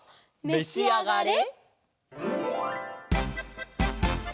めしあがれ！